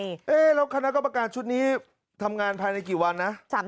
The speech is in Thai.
แล้วคณะกรรมการชุดนี้ทำงานภายในกี่วันนะ